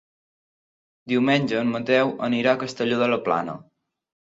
Diumenge en Mateu anirà a Castelló de la Plana.